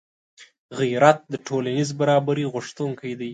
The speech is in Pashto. غیرت د ټولنیز برابري غوښتونکی دی